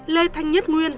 lê thanh nhất nguyên